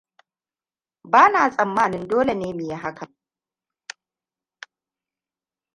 Ba na tsammanin dole ne mu yi hakan.